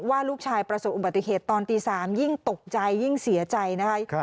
ว่าลูกชายประสบอุบัติเหตุตอนตี๓ยิ่งตกใจยิ่งเสียใจนะคะ